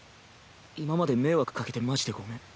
今まで迷惑かけてマジでごめん。